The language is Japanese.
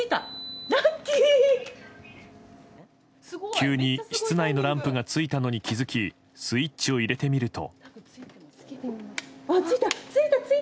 急に室内のランプがついたのに気づきスイッチを入れてみると。